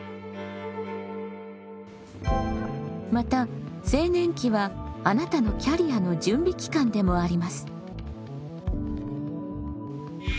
また青年期はあなたのキャリアの準備期間でもあります。